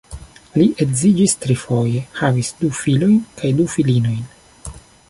Li edziĝis trifoje, havis du filojn kaj du filinojn.